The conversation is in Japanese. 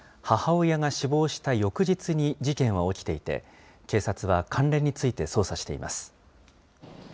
母親が死亡した翌日に事件は起きていて、警察は関連について捜査しています。